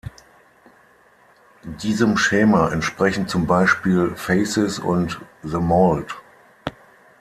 Diesem Schema entsprechen zum Beispiel „Faces“ und „The Mold“.